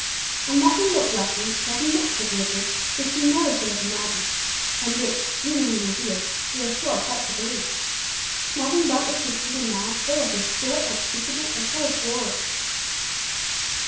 And nothing but blessings, nothing but privileges, which we never should have imagined, and which, even when revealed, we are 'slow of heart to believe;' nothing but what should even now fill us 'with joy unspeakable and full of glory!'